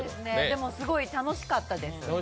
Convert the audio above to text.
でも、すごい楽しかったです